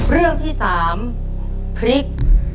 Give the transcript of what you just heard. เรื่องที่๓พริก